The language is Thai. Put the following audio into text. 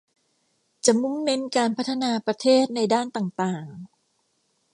จะมุ่งเน้นการพัฒนาประเทศในด้านต่างต่าง